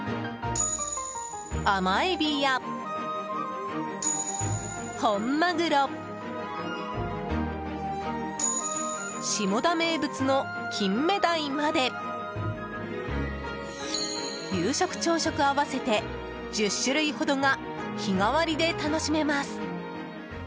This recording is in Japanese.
甘エビや本マグロ下田名物の金目鯛まで夕食朝食合わせて１０種類ほどが日替わりで楽しめます。